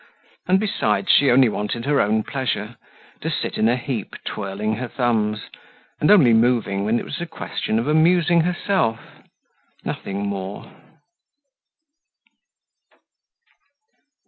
And besides she only wanted her own pleasure, to sit in a heap twirling her thumbs, and only moving when it was a question of amusing herself, nothing more.